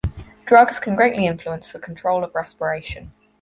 Drugs can greatly influence the control of respiration.